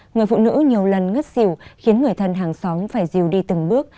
người phụ nữ nhiều lần ngất xỉu khiến người thân hàng xóm phải rìu đi từng bước